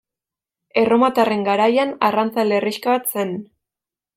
Erromatarren garaian arrantzale herrixka bat zen.